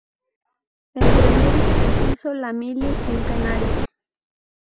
Entre medias, hizo la mili en Canarias.